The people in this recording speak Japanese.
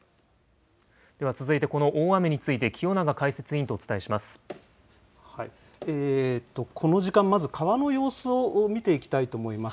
では、続いてこの大雨について、この時間、まず川の様子を見ていきたいと思います。